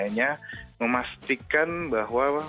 ini adalah program yang memastikan bahwa